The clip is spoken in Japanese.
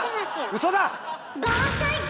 うそだ！